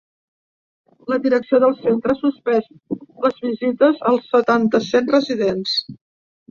La direcció del centre ha suspès les visites als setanta-set residents.